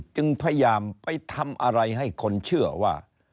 จึงพยายามไปทำอะไรให้คนเชื่อว่า